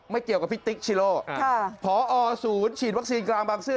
เกี่ยวกับพี่ติ๊กชิโลพอศูนย์ฉีดวัคซีนกลางบางซื่อ